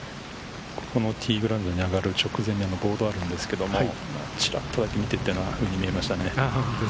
このティーグラウンドに上がる直前にボードがあるんですけど、チラッと見ていたふうに見えましたね。